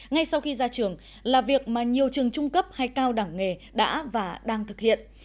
ngay sau khi ra trường là việc mà nhiều trường trung cấp hay cao đẳng nghề đã và đang thực hiện